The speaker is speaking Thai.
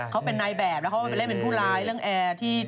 เขาเป็นนายแบบแล้วเขาไปเล่นเป็นผู้ร้ายเรื่องแอร์ที่